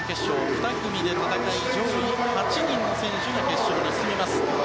２組で戦い、上位８人の選手が決勝に進みます。